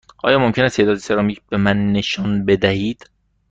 آیا ممکن است تعدادی سرامیک به من نشان بدهید؟